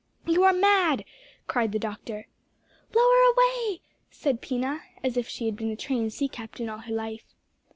"You are mad!" cried the doctor. "Lower away!" said Pina, as if she had been a trained sea captain all her life.